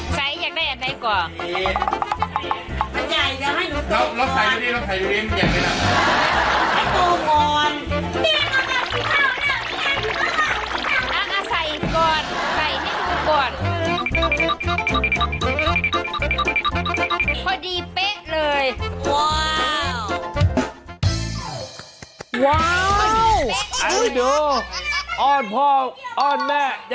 สกิดยิ้ม